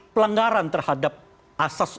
pelanggaran terhadap asas